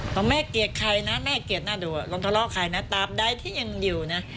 บอกแม่เกลียดใครนะแม่เกลียดหน้าดูลงทะเลาะใครนะตามใดที่ยังอยู่นะ